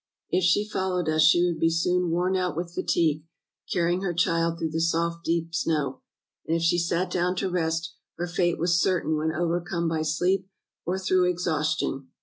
If she followed us she would be soon worn out with fatigue, carrying her child through the soft, deep snow; and if she sat down to rest, her fate was certain when overcome by sleep or through exhaustion."